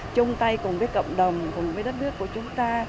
chung tay cùng với cộng đồng cùng với đất nước của chúng ta